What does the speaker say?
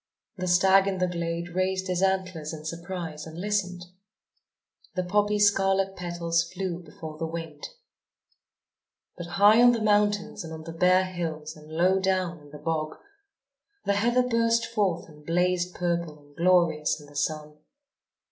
The stag in the glade raised his antlers in surprise and listened. The poppy's scarlet petals flew before the wind. But high on the mountains and on the bare hills and low down in the bog, the heather burst forth and blazed purple and glorious in the sun.